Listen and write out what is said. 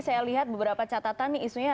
saya lihat beberapa catatan nih isunya